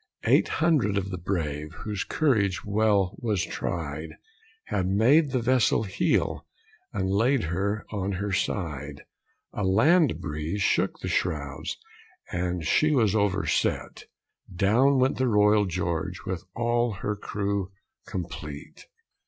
Eight hundred of the brave, Whose courage well was tried, Had made the vessel heel, And laid her on her side. A land breeze shook the shrouds, And she was overset; Down went the Royal George, With all her crew complete.